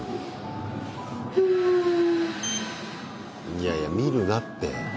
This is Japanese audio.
いやいや見るなって。